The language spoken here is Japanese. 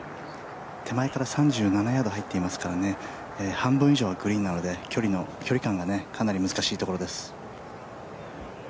手前から３７ヤード入っていますからね、半分以上はグリーンなので距離感がかなり難しいところです。